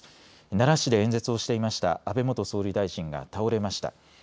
奈良市で演説をしていました安倍元総理大臣が倒れました。